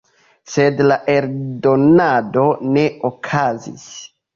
Sed la eldonado ne okazis.